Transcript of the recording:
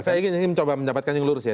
saya ingin mencoba mendapatkan yang lurus ya